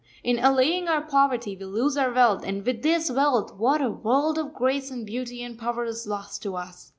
In allaying our poverty we lose our wealth, and with this wealth what a world of grace and beauty and power is lost to us.